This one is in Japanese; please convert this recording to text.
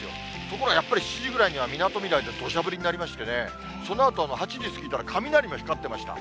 ところが、やっぱり７時ぐらいにはみなとみらいでどしゃ降りになりましてね、そのあと８時過ぎたら、雷も光ってました。